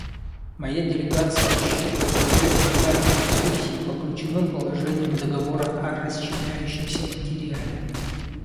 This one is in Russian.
Моя делегация рассчитывает на более детальные дискуссии по ключевым положениям договора о расщепляющемся материале.